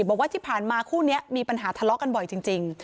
บอกว่าที่ผ่านมาคู่นี้มีปัญหาทะเลาะกันบ่อยจริง